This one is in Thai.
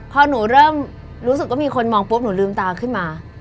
พอหนูเริ่มรู้สึกว่ามีคนมองปุ๊บหนูลืมตาขึ้นมา